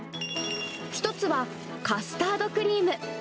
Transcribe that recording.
１つはカスタードクリーム。